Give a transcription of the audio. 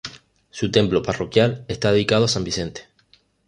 Su templo parroquial está dedicado a San Vicente.